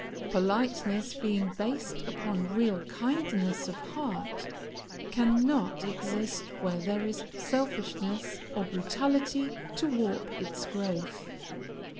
Politeness, being based upon real kindness of heart, cannot exist where there is selfishness or brutality to warp its growth.